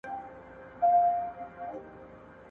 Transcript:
چي د هرات غم ځپلو اوسېدونکو ته ,